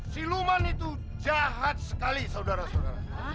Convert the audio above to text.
si luman itu jahat sekali saudara saudara